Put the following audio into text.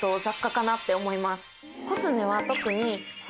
コスメは特に。